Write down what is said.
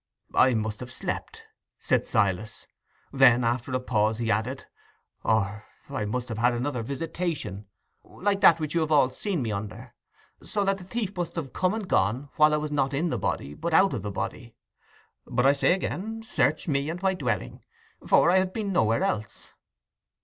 "I must have slept," said Silas. Then, after a pause, he added, "Or I must have had another visitation like that which you have all seen me under, so that the thief must have come and gone while I was not in the body, but out of the body. But, I say again, search me and my dwelling, for I have been nowhere else."